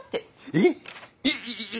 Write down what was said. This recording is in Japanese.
⁉えっ？